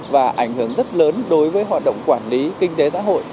và ảnh hưởng rất lớn đối với hoạt động quản lý kinh tế xã hội